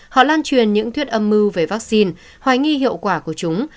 họ lan truyền những thuyết âm mưu về vaccine hoài nghi hiệu quả của chúng